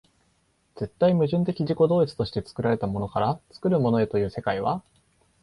絶対矛盾的自己同一として作られたものから作るものへという世界は、